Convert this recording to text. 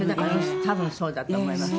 多分そうだと思います。